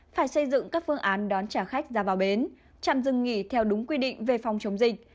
phải xây dựng các phương án đón trả khách ra vào bến trạm dừng nghỉ theo đúng quy định về phòng chống dịch